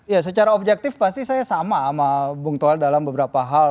ya secara objektif pasti saya sama sama bung toel dalam beberapa hal